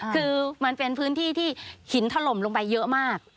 คือมันเป็นพื้นที่ที่หินถล่มลงไปเยอะมาก